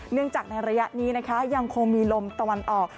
เนื่องจากในระยะนี้นะคะยังคงมีลมตะวันออก